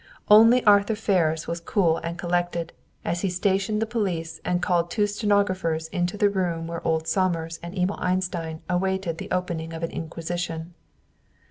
Only Arthur Ferris was cool and collected, as he stationed the police and called two stenographers into the room where old Somers and Emil Einstein awaited the opening of an inquisition.